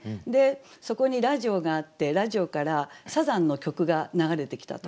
そこにラジオがあってラジオからサザンの曲が流れてきたと。